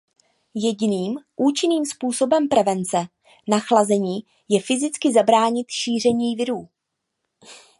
Jediným účinným způsobem prevence nachlazení je fyzicky zabránit šíření virů.